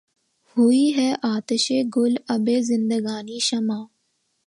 ہوئی ہے آتشِ گُل آبِ زندگانیِ شمع